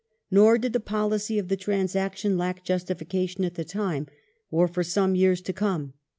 Nor did the policy of the transaction lack justification at the time, or for some years to come.